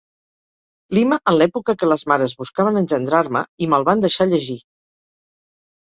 Lima en l'època que les mares buscaven engendrar-me, i me'l van deixar llegir.